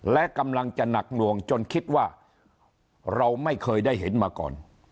และกำลังจะหนักหน่วงจนคิดว่าเราไม่เคยได้เห็นมาก่อน